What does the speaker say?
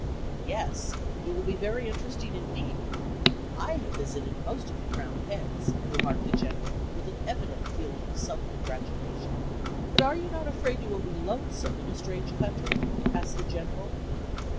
"Yes, it will be very interesting indeed. I have visited most of the crowned heads," remarked the General, with an evident feeling of self congratulation. "But are you not afraid you will be lonesome in a strange country?" asked the General.